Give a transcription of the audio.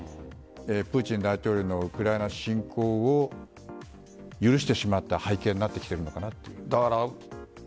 プーチン大統領のウクライナ侵攻を許してしまった背景になってきているのかなという。